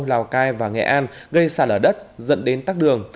lào cai và nghệ an gây sạt lở đất dẫn đến tắc đường